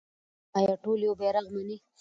آیا ټول یو بیرغ مني؟